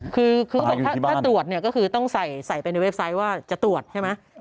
คือถ้าตรวจเนี่ยก็คือต้องใส่ไปในเว็บไซต์ว่าจะตรวจใช่ไหม